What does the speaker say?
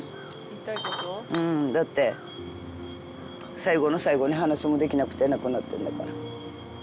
うんだって最後の最後に話もできなくて亡くなってんだから。